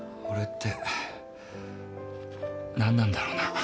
俺って何なんだろうな？